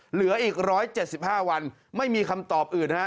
เหลืออีก๑๗๕วันไม่มีคำตอบอื่นฮะ